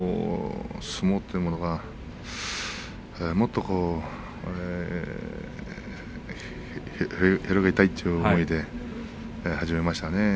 震災があって相撲というものがもっと広げたいという思いで始めましたね。